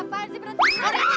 ngapain sih berhenti